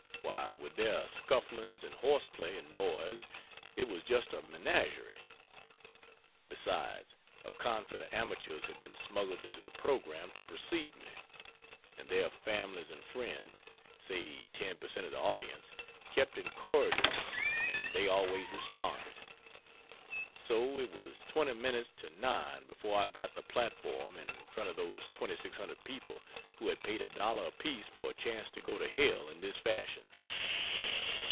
Why, with their scufflings and horse play and noise, it was just a menagerie. Besides, a concert of amateurs had been smuggled into the program (to precede me,) and their families and friends (say ten per cent of the audience) kept encoring them and they always responded. So it was 20 minutes to 9 before I got the platform in front of those 2,600 people who had paid a dollar apiece for a chance to go to hell in this fashion.